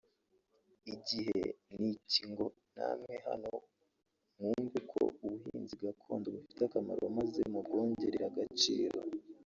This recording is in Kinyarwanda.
Igihe n’iki ngo namwe hano mwumve ko ubuvuzi gakondo bufite akamaro maze mubwongerere agaciro